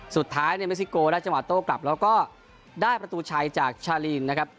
สุดท้ายเนี่ยเม็กซิโกได้จังหวะโต้กลับแล้วก็ได้ประตูชัยจากชาลีนนะครับ